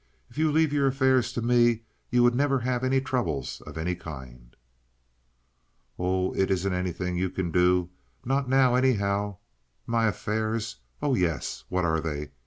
If you leave your affairs to me you would never have any troubles of any kind." "Oh, it isn't anything you can do—not now, anyhow. My affairs! Oh yes. What are they?